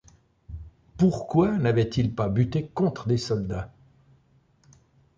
Pourquoi n’avaient-ils pas buté contre des soldats?